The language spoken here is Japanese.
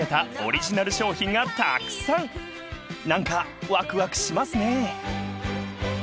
［何かワクワクしますね］